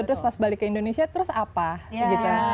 terus pas balik ke indonesia terus apa gitu